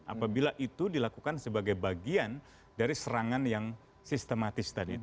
apabila itu dilakukan sebagai bagian dari serangan yang sistematis tadi